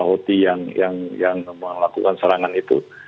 atau houthi yang melakukan serangan itu